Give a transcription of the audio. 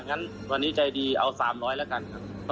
งั้นวันนี้ใจดีเอา๓๐๐แล้วกันครับ